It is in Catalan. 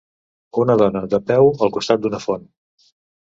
Una dona de peu al costat d'una font.